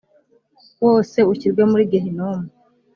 wose ushyirwe muri gehinomu